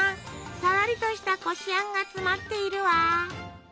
さらりとしたこしあんが詰まっているわ。